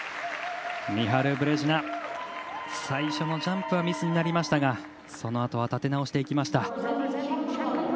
ミハル・ブレジナ最初のジャンプはミスになりましたがそのあとは立て直しました。